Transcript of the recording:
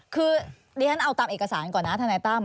คือดิฉันเอาตามเอกสารก่อนนะทนายตั้ม